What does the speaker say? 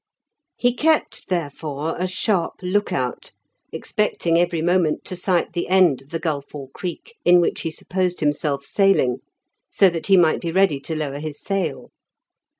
He kept, therefore, a sharp look out, expecting every moment to sight the end of the gulf or creek in which he supposed himself sailing, so that he might be ready to lower his sail.